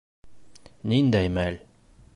Ниндәй мәл?